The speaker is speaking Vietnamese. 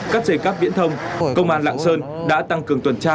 cắt dây cắp viễn thông công an lạng sơn đã tăng cường tuần tra